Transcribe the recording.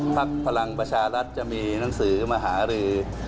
พลังประชารัฐจะมีหนังสือมหารือ